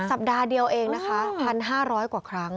สัปดาห์เดียวเองนะคะ๑๕๐๐กว่าครั้ง